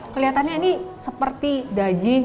kelihatannya ini seperti daging